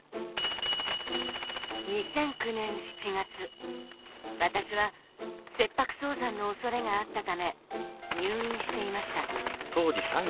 ２００９年７月私は切迫早産のおそれがあったため入院していました。